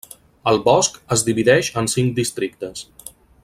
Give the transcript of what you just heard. El bosc es divideix en cinc districtes.